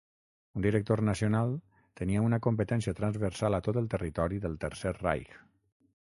Un director nacional tenia una competència transversal a tot el territori del Tercer Reich.